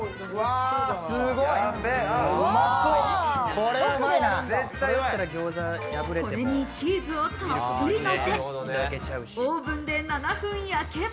これにチーズをたっぷりのせ、オーブンで７分焼けば。